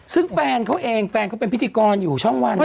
ซึ่งแฟนเขาเองแฟนเขาเป็นพิธีกรอยู่ช่องวัน